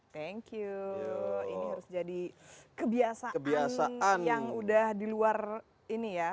thank you ini harus jadi kebiasaan yang udah di luar ini ya